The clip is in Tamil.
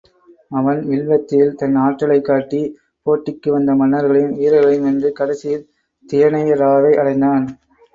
அவன், வில்வித்தையில் தன் ஆற்றலைக் காட்டி, போட்டிக்கு வந்த மன்னர்களையும் வீரர்களையும் வென்று, கடைசியில் தியனைராவை அடைந்தான்.